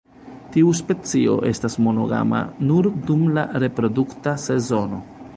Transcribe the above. Tiu specio estas monogama nur dum la reprodukta sezono.